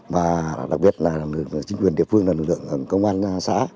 và đặc biệt là chính quyền địa phương là lực lượng công an xã